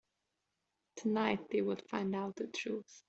Tonight, they would find out the truth.